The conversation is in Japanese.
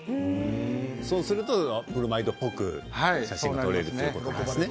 そうするとブロマイドっぽく写真が撮れるということですね。